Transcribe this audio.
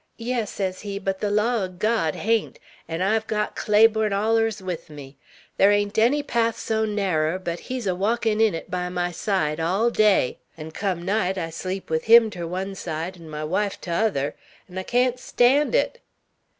'Yes,' sez he, 'but the law o' God hain't; 'n' I've got Claiborne allers with me. Thar ain't any path so narrer, but he's a walkin' in it, by my side, all day; 'n' come night, I sleep with him ter one side, 'n' my wife 't other; 'n' I can't stan' it.'